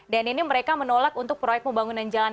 dan ini mereka menolak untuk proyek pembangunan